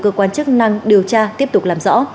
cơ quan chức năng điều tra tiếp tục làm rõ